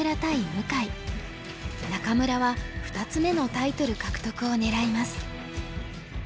仲邑は２つ目のタイトル獲得を狙います。